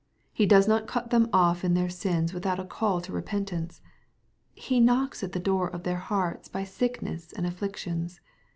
He does not cut them off in their sins without a call to repentance. He knocks at the door of their hearts by sicknesses and afflictions.